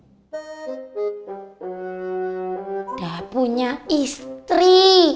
udah punya istri